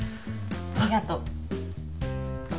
ありがとう。